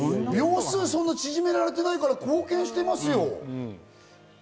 秒数そんな縮められてないから貢献してますよ。